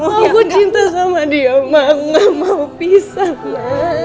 aku cinta sama dia ma aku gak mau pisah ma